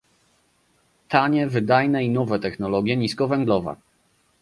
tanie, wydajne i nowe technologie niskowęglowe